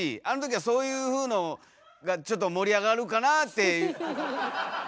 あの時はそういうふうのがちょっと盛り上がるかなっていう。